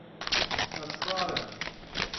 Ev sar e.